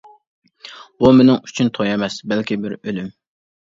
-بۇ مېنىڭ ئۈچۈن توي ئەمەس، بەلكى بىر ئۆلۈم.